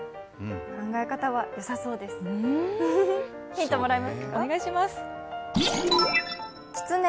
考え方はよさそうですね。